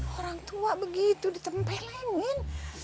orang tua begitu ditempel engin